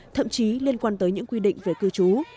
thậm chí liên quan tới những quy định về cư trú